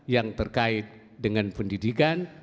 yang terkait dengan pendidikan